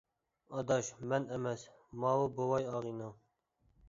-ئاداش مەن ئەمەس، ماۋۇ بوۋاي ئاغىنەڭ!